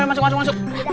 masuk masuk masuk